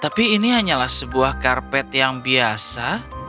tapi ini hanyalah sebuah karpet yang biasa